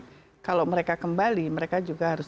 jadi kalau mereka kembali mereka juga harus